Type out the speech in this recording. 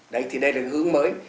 đấy thì đây là hướng mới